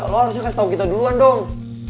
lo harusnya kasih tau kita duluan dong